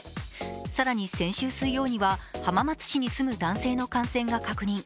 更に先週水曜には浜松市に住む男性の感染が確認。